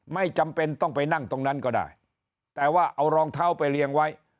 ไม่จำเป็นต้องไปนั่งตรงนั้นก็ได้แต่ว่าเอารองเท้าไปเรียงไว้